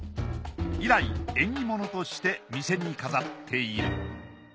以来縁起物として店に飾っている。